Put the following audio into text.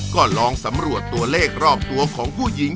ก็ลองสำรวจตัวเลขรอบตัวของผู้หญิง